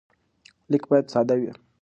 لیک باید ساده وي.